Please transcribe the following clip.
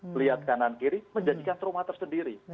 melihat kanan kiri menjadikan rumah tersendiri